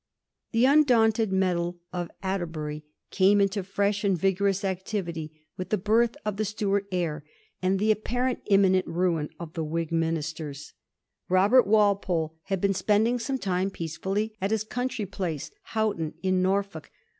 The undaunted mettle of Atterbury came Digiti zed by Google 1720 HOUGHTON. 257 into fresh and vigorous activity with the birth of the Stuart heir, and the apparently imminent ruin of the Whig ministers. Robert Walpole had been spending some time peaceftdly at his country place, Houghton, in Nor folk.